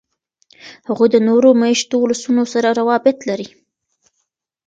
هغوی د نورو میشتو ولسونو سره روابط لري.